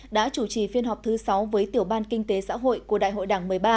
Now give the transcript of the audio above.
đã chủ trì phiên họp thứ sáu với tiểu ban kinh tế xã hội của đại hội đảng một mươi ba